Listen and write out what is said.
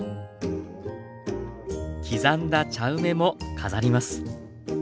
刻んだ茶梅も飾ります。